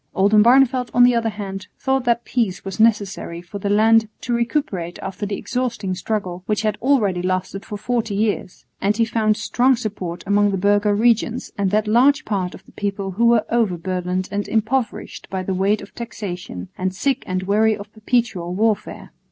Oldenbarneveldt on the other hand thought that peace was necessary for the land to recuperate after the exhausting struggle, which had already lasted for forty years; and he found strong support among the burgher regents and that large part of the people who were over burdened and impoverished by the weight of taxation, and sick and weary of perpetual warfare.